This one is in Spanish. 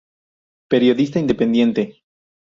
Periodista independiente.